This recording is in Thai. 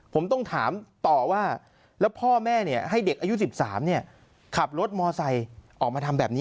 ผมต้องถามต่อว่าแล้วพ่อแม่ให้เด็กอายุ๑๓ขับรถมอไซค์ออกมาทำแบบนี้